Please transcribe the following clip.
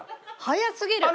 早すぎる！